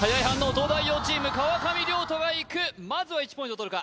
東大王チーム川上諒人がいくまずは１ポイントとるか？